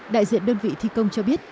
đại diện đơn vị thi công cho biết